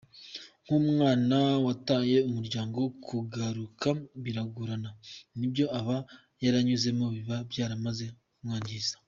Nk’umwana wataye umuryango kugaruka biragorana n’ibyo aba yaranyuzemo biba byaramaze kumwangiza.